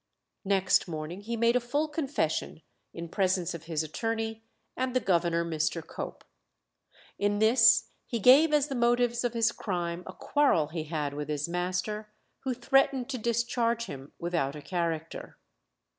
Next morning he made a full confession in presence of his attorney, and the governor, Mr. Cope. In this he gave as the motives of his crime a quarrel he had with his master, who threatened to discharge him without a character.